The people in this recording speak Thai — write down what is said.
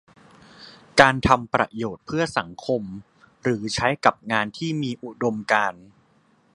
การทำประโยชน์เพื่อสังคม หรือใช้กับงานที่มีอุดมการณ์